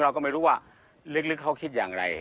เราก็ไม่รู้ว่าลึกเขาคิดอย่างไร